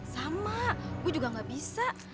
sama gue juga gak bisa